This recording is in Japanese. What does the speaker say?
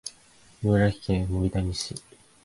茨城県守谷市